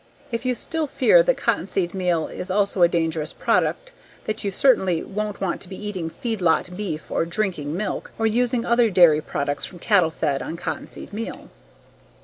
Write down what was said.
If you still fear that cottonseed meal is also a dangerous product then you certainly won't want to be eating feedlot beef or drinking milk or using other dairy products from cattle fed on cottonseed meal.